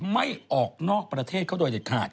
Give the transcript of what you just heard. ไม่ออกนอกประเทศเขาโดยเด็ดขาด